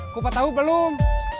ku patah tau belum